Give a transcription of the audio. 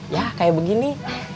ya kayak begini